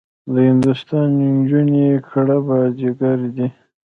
د هندوستان نجونې کړه بازيګرې دي.